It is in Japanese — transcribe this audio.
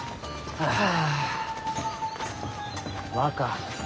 はあ。